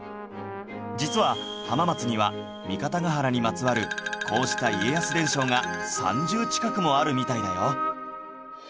実は浜松には三方ヶ原にまつわるこうした家康伝承が３０近くもあるみたいだよ